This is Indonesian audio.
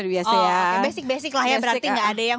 juga ya iya ya gat characilar berarti enggak ada yang